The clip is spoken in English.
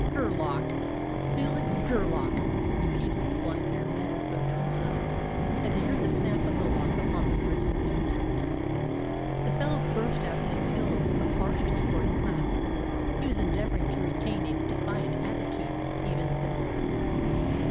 "Gerlach! Felix Gerlach!" repeated the blind Baronet as though to himself, as he heard the snap of the lock upon the prisoner's wrists. The fellow burst out into a peal of harsh, discordant laughter. He was endeavouring to retain a defiant attitude even then.